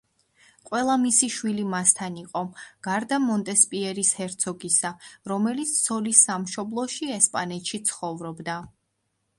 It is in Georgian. ყველა მისი შვილი მასთან იყო, გარდა მონტესპიერის ჰერცოგისა, რომელიც ცოლის სამშობლოში, ესპანეთში ცხოვრობდა.